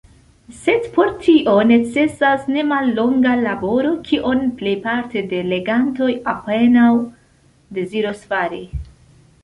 Sed por tio necesas nemallonga laboro, kion plejparto de legantoj apenaŭ deziros fari.